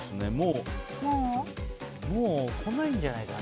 もうこないんじゃないかな。